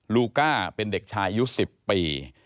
ลูก้าเป็นเด็กชายอายุ๑๐ปี